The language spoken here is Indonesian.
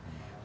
pada saat ini